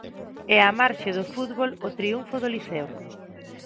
E a marxe do fútbol o triunfo do Liceo.